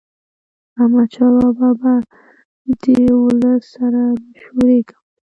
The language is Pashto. احمدشاه بابا به د ولس سره مشورې کولي.